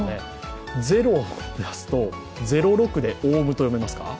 ゼロを足すと０６でオウムと読めますか？